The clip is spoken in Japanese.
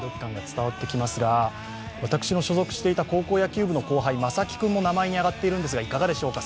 私の所属していた高校野球部の後輩・正木君も名前に上がっているんですがいかがでしょうか？